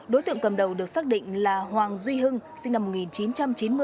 đối tượng cầm đầu được xác định là hoàng duy hưng sinh năm một nghìn chín trăm chín mươi